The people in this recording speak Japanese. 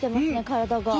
体が。